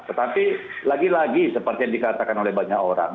tetapi lagi lagi seperti yang dikatakan oleh banyak orang